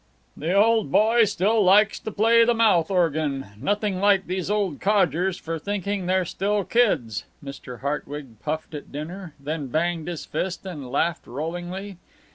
"The old boy still likes to play the mouth organ nothing like these old codgers for thinking they're still kids," Mr. Hartwig puffed at dinner, then banged his fist and laughed rollingly.